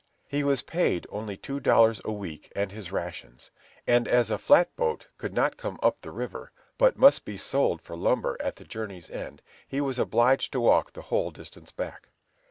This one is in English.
He was paid only two dollars a week and his rations; and as a flat boat could not come up the river, but must be sold for lumber at the journey's end, he was obliged to walk the whole distance back.